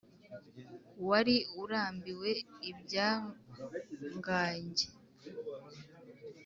wari urambiwe ibyangange